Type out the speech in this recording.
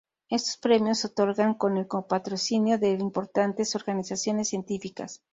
Estos premios se otorgan con el co-patrocinio de importantes organizaciones científicas.